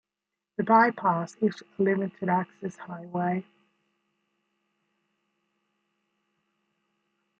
The bypass is a limited-access highway.